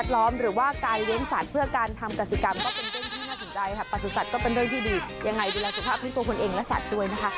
ดูแลสุขภาพที่ตัวเองและสัตว์ตัวเองนะคะ